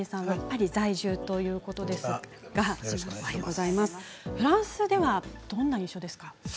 パリ在住ということですがフランスではどんな印象ですか。